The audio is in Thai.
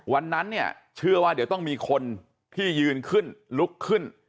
วันนั้นเนี่ยเชื่อว่าเดี๋ยวต้องมีคนที่ยืนขึ้นลุกขึ้น